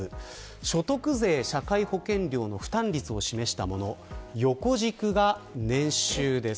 所得税、社会保険料の負担率を示したものです。